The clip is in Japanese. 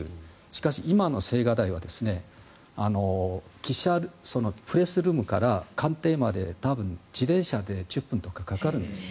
しかし、今の青瓦台はプレスルームから官邸まで多分、自転車で１０分とかかかるんです。